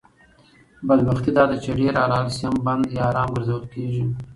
بدبختي داده چې ډېر حلال شی هم بند یا حرام ګرځول شوي